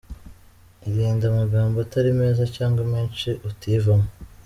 Irinde amagambo atari meza cyangwa menshi utivamo.